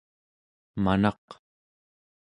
manaq